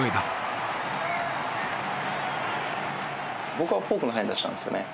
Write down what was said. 僕はフォークのサイン出したんですよね。